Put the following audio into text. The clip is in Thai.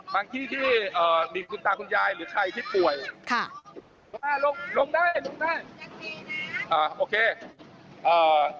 ที่ที่เอ่อมีคุณตาคุณยายหรือใครที่ป่วยค่ะอ่าลงลงได้ลงได้อ่าโอเคอ่า